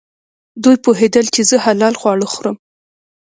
دوی پوهېدل چې زه حلال خواړه خورم.